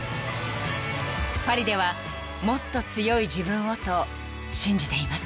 ［パリではもっと強い自分をと信じています］